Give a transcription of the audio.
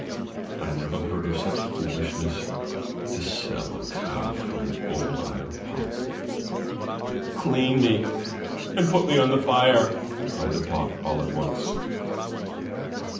I never heard of such foolishness — ^to sell a good cow for an old iron pot." "Clean me, and put me on the fire!" cried the pot all at once.